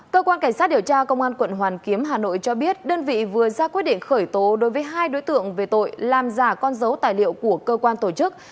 cơ quan cảnh sát điều tra công an quận hoàn kiếm hà nội cho biết đơn vị vừa ra quyết định khởi tố đối với hai đối tượng về tội làm giả con dấu tài liệu của cơ quan tổ chức